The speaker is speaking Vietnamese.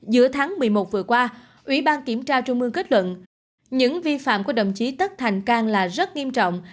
giữa tháng một mươi một vừa qua ủy ban kiểm tra trung ương kết luận những vi phạm của đồng chí tất thành cang là rất nghiêm trọng